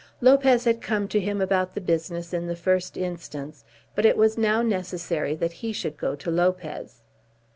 Lopez had come to him about the business in the first instance, but it was now necessary that he should go to Lopez.